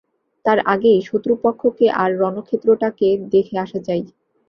তার আগেই শত্রুপক্ষকে আর রণক্ষেত্রটাকে দেখে আসা চাই।